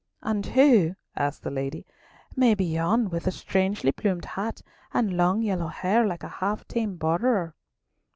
"And who," asked the lady, "may be yon, with the strangely plumed hat and long, yellow hair, like a half tamed Borderer?"